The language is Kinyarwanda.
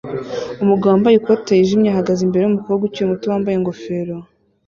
Umugabo wambaye ikoti yijimye ahagaze imbere yumukobwa ukiri muto wambaye ingofero